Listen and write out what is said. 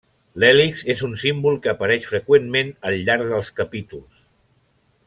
L'hèlix és un símbol que apareix freqüentment al llarg dels capítols.